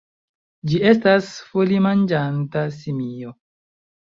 Ĝi estas folimanĝanta simio.